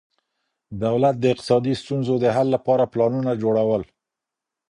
دولت د اقتصادي ستونزو د حل لپاره پلانونه جوړول.